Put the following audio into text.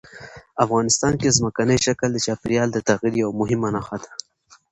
افغانستان کې ځمکنی شکل د چاپېریال د تغیر یوه مهمه نښه ده.